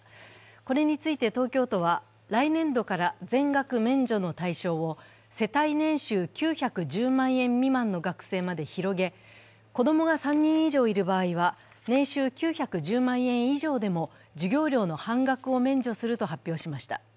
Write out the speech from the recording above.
これについて東京都は、来年度から全額免除の対象を世帯年収９１０万円未満の学生まで広げ、子供が３人以上いる場合は年収９１０万円以上でも授業料の半額を免除すると発表しました。